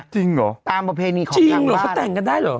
จริงหรอจริงหรอเขาแต่งกันได้หรอ